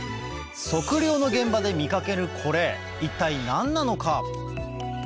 測量の現場で見かけるこれ一体何なのか？